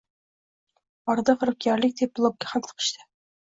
Orada firibgarlik deb blokka ham tiqishdi